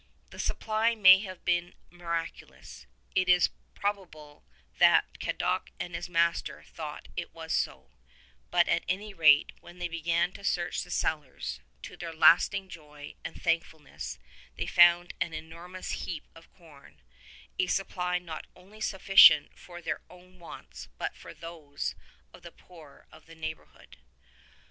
The supply may have been miraculous — it is probable that Cadoc and his master thought it was so — but at any rate when they began to search the cellars, to their lasting joy and thankfulness they found an enormous heap of corn — ^a supply not only sufficient for their own wants but for those of the poor of the neighborhood.